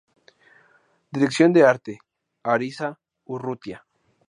Dirección de arte: Ariza Urrutia.